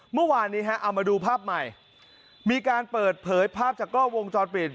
เมื่อวานนี้ฮะเอามาดูภาพใหม่มีการเปิดเผยภาพจากกล้อวงจรปิด